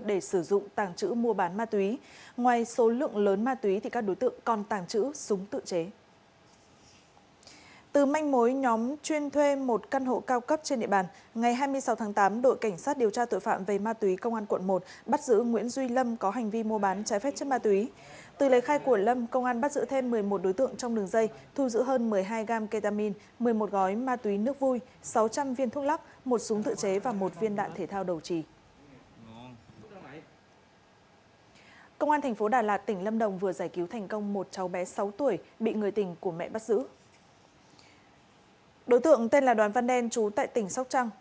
đây là đoán văn đen trú tại tỉnh sóc trăng